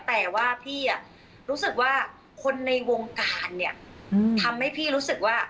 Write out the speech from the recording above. แต่ว่าพี่รู้สึกว่าคนในวงการเนี่ยทำให้พี่รู้สึกว่า